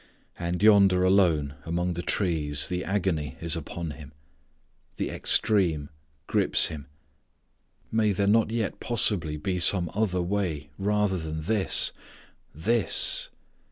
And yonder alone among the trees the agony is upon Him. The extreme grips Him. May there not yet possibly be some other way rather than _this this!